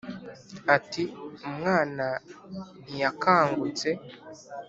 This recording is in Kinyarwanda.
ati umwana ntiyakangutse